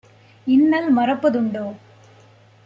இன்னல் மறப்ப துண்டோ?"